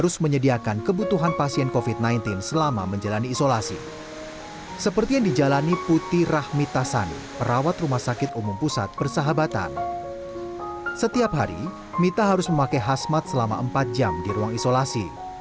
setiap hari mita harus memakai hasmat selama empat jam di ruang isolasi